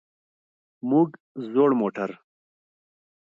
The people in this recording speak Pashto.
موږ زوړ موټر.